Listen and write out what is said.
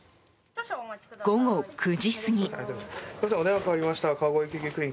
午後９時過ぎ。